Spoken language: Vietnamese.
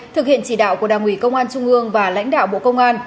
thực hiện chỉ đạo của đảng ủy công an trung ương và lãnh đạo bộ công an